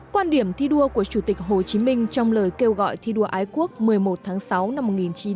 quan điểm thi đua của chủ tịch hồ chí minh trong lời kêu gọi thi đua ái quốc một mươi một tháng sáu năm một nghìn chín trăm bốn mươi